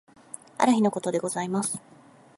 ある日のことでございます。